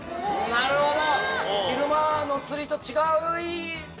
なるほど。